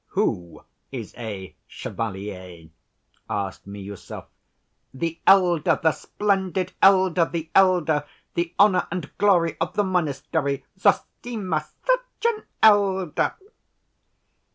"Who is a chevalier?" asked Miüsov. "The elder, the splendid elder, the elder! The honor and glory of the monastery, Zossima. Such an elder!"